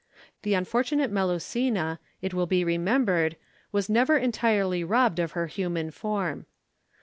The unfortunate Melusina, it will be remembered, was never entirely robbed of her human form.